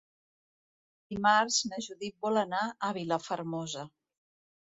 Dimarts na Judit vol anar a Vilafermosa.